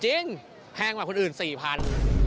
จริงแพงกว่าคนอื่น๔๐๐๐บาท